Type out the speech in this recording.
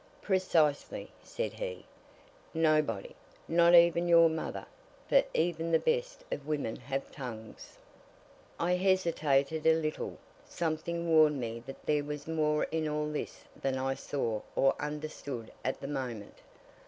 "Precisely!" said he. "Nobody! Not even your mother for even the best of women have tongues." I hesitated a little something warned me that there was more in all this than I saw or understood at the moment.